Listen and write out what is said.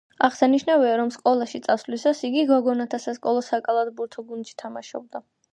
აღსანიშნავია, რომ სკოლაში სწავლისას იგი გოგონათა სასკოლო საკალათბურთო გუნდში თამაშობდა.